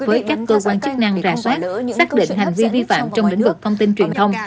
với các cơ quan chức năng rà soát xác định hành vi vi phạm trong lĩnh vực thông tin truyền thông